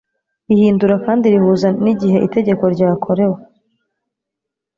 rihindura kandi rihuza n'igihe Itegeko ryakorewe